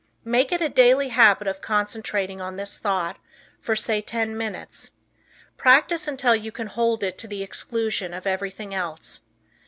Make it a daily habit of concentrating on this thought for, say, ten minutes. Practice until you can hold it to the exclusion of everything else.